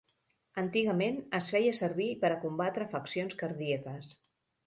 Antigament es feia servir per a combatre afeccions cardíaques.